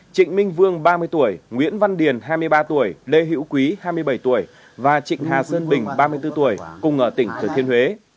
trịnh minh vương ba mươi tuổi nguyễn văn điền hai mươi ba tuổi lê hữu quý hai mươi bảy tuổi và trịnh hà sơn bình ba mươi bốn tuổi cùng ở tỉnh thừa thiên huế